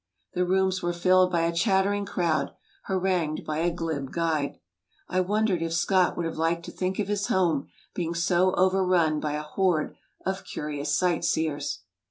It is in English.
The rooms were filled by a chattering crowd, harangued by a glib guide. I wondered if Scott would have liked to think of his home being so over run by a horde of curious sight seers.